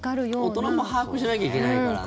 大人も把握しなきゃいけないからね。